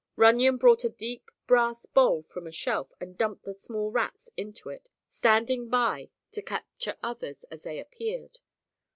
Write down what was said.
Runyon brought a deep brass bowl from a shelf and dumped the small rats into it, standing by to capture others as they appeared.